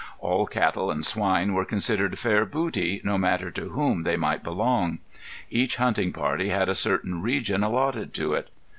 All cattle and swine were considered fair booty, no matter to whom they might belong. Each hunting party had a certain region allotted to it.